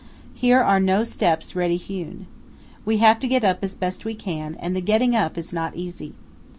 Here are no steps ready hewn. We have to get up as best we can, and the getting up is not easy.